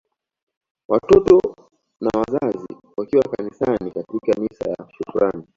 Watoto na Wazazi wakiwa kanisani katika misa ya shukrani